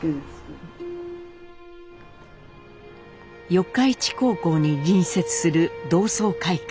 四日市高校に隣接する同窓会館。